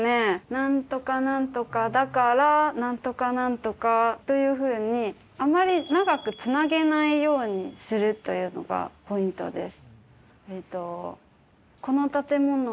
何とか何とかだから何とか何とかというふうにあまり長くつなげないようにするというのがポイントです。